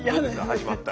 始まったら。